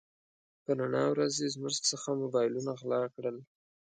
په رڼا ورځ يې زموږ څخه موبایلونه غلا کړل.